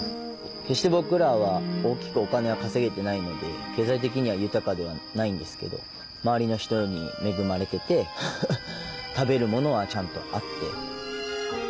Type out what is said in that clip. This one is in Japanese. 決して僕らは大きくお金は稼げてないので経済的には豊かではないんですけど周りの人に恵まれてて食べるものはちゃんとあって。